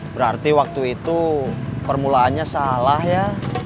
berarti waktu itu permulaannya salah ya